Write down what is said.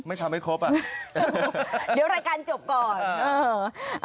ไม่ทำให้ครบอ่ะเดี๋ยวรายการจบก่อนเออ